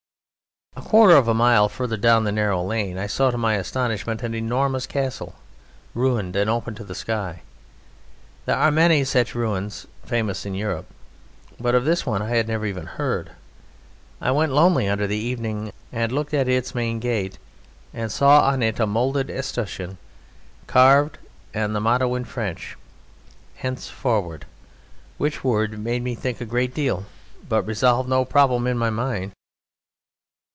A quarter of a mile further down the narrow lane I saw to my astonishment an enormous castle, ruined and open to the sky. There are many such ruins famous in Europe, but of this one I had never even heard. I went lonely under the evening and looked at its main gate and saw on it a moulded escutcheon, carved, and the motto in French, "Henceforward," which word made me think a great deal, but resolved no problem in my mind.